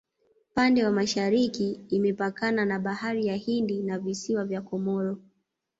pande wa mashariki imepakana na bahari ya hindi na visiwa vya komoro